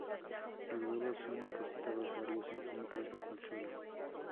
Los huevos son depositados varios centímetros bajo el suelo.